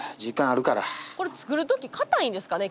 これ作るとき硬いんですかね？